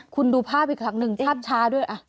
คุณดูภาพอีกครั้งหนึ่งภาพช้าด้วย